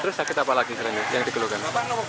terus sakit apa lagi yang dikeluhkan